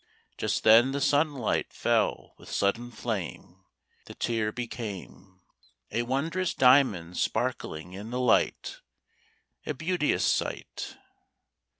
Just then the sunlight fell with sudden flame: The tear became A wond'rous diamond sparkling in the light A beauteous sight.